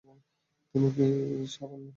তুমি কী সাবান ব্যবহার করো?